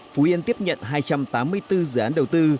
phú yên tiếp nhận hai trăm tám mươi bốn dự án đầu tư